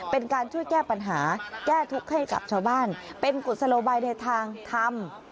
เป็นการช่วยแก้ปัญหาแก้ทุกข์ให้กับชาวบ้านเป็นกุศโลบายในทางทำ